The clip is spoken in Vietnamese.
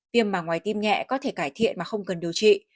viêm mà ngoài tim nhẹ có thể cải thiện mà không cần điều trị